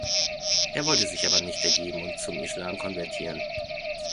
Er wollte sich aber nicht ergeben und zum Islam konvertieren.